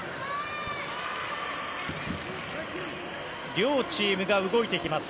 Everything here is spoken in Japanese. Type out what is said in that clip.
両チームが動いてきます。